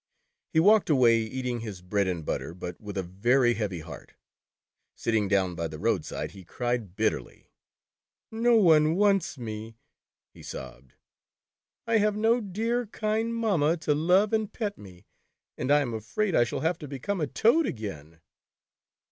He walked away eating his bread and butter, but with a very heavy heart. Sitting down by the road side, he cried bitterly. "No one wants me," he sobbed, " I have no dear, kind mamma to love and pet me, and I am afraid I shall have to become a toad again."